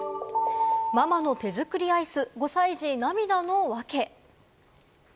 ママの手作りアイス、５歳児涙のワケ。